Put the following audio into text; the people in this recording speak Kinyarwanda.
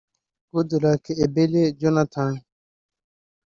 Goodluck Ebele Jonathan